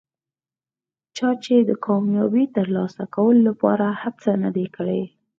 چا چې د کامیابۍ ترلاسه کولو لپاره هڅه نه ده کړي.